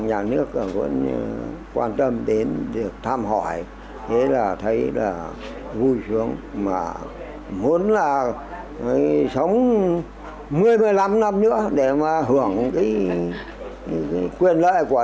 nhà nước còn quan tâm đến được thăm hỏi thế là thấy là vui sướng mà muốn là sống một mươi một mươi năm năm nữa